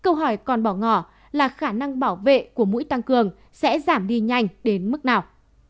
câu hỏi còn bỏ ngỏ là khả năng bảo vệ của mũi tăng cường sẽ giảm đi nhanh đến mức nào